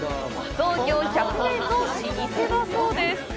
創業１００年の老舗だそうです。